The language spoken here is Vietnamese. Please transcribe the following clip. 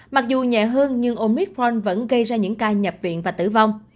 mặc dù nhẹ hơn nhưng omicron vẫn gây ra những ca nhập viện và tử vong